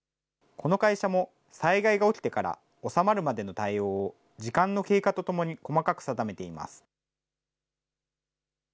この会社も、災害が起きてから収まるまでの対応を、時間の経過とともに細かく定めています。